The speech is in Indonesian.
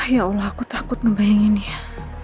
ya allah aku takut ngebayangin ya